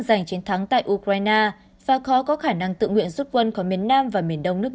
giành chiến thắng tại ukraine và khó có khả năng tự nguyện rút quân khỏi miền nam và miền đông nước